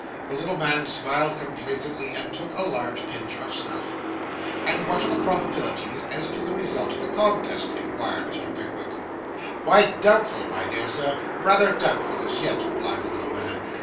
The little man smiled complacently, and took a large pinch of snuff. 'And what are the probabilities as to the result of the contest?' inquired Mr. Pickwick. 'Why, doubtful, my dear Sir; rather doubtful as yet,' replied the little man.